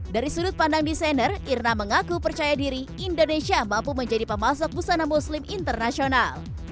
dari sudut pandang desainer irna mengaku percaya diri indonesia mampu menjadi pemasok busana muslim internasional